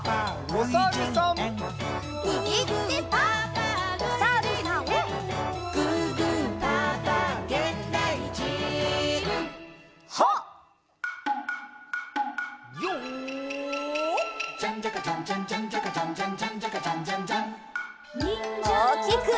おおきく！